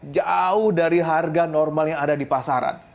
jauh dari harga normal yang ada di pasaran